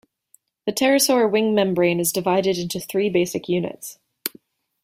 The pterosaur wing membrane is divided into three basic units.